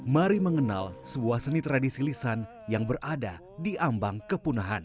mari mengenal sebuah seni tradisi lisan yang berada di ambang kepunahan